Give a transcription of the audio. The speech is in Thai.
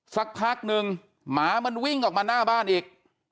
สักพักนึงหมามันวิ่งออกมาหน้าบ้านอีก